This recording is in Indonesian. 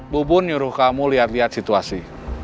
bu bun nyuruh kamu lihat lihat situasi